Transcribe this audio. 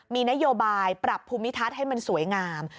มีนโยบายปรับภูมิทัศน์ให้มันสวยงาม